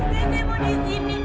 saya mau disini